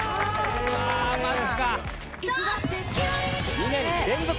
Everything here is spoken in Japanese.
・２年連続